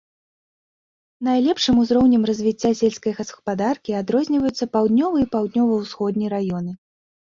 Найлепшым узроўнем развіцця сельскай гаспадаркі адрозніваюцца паўднёвы і паўднёва-ўсходні раёны.